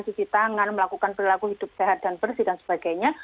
disitangan melakukan perilaku hidup sehat dan bersih dan sebagainya